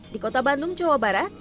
di kota bandung jawa barat